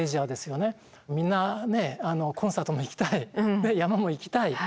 みんなコンサートも行きたい山も行きたい。